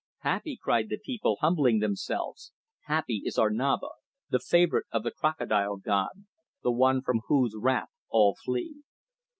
"Happy," cried the people, humbling themselves "happy is our Naba, the favourite of the Crocodile god, the one from whose wrath all flee."